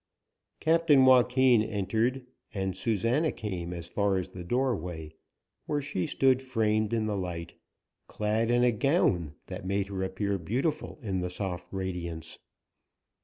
Captain Joaquin entered, and Susana came as far as the doorway, where she stood framed in the light, clad in a gown that made her appear beautiful in the soft radiance.